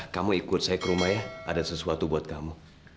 kamu ikut saya ke rumah ya ada sesuatu buat kamu